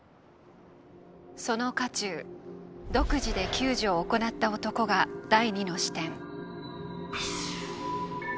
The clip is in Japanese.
その渦中独自で救助を行った男が第２の視点。